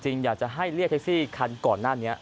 อยากจะให้เรียกแท็กซี่คันก่อนหน้านี้